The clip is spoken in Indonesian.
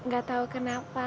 gak tau kenapa